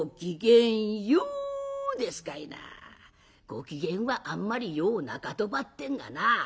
ご機嫌はあんまりようなかとばってんがなあ」。